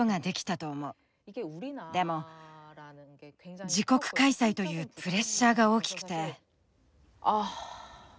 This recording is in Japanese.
でも自国開催というプレッシャーが大きくて。